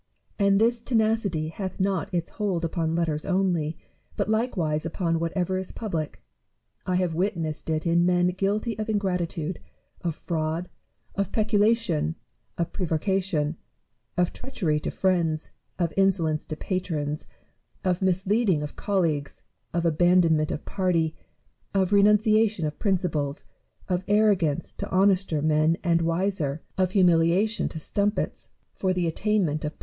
And this tenacity hath not its hold upon letters only, but likewise upon whatever is public. I have witnessed it in men guilty of ingratitude, of fraud, of pecula tion, of prevarication, of treachery to friends, of insolence to patrons, of misleading of colleagues, of abandonment of party, of renunciation of principles, of arrogance to honester men and wiser, of humiliation to strumpets for the obtainment of 2o6 IMA GIN A RY CON VERSA TIONS.